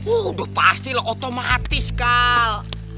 udah pasti lah otomatis kal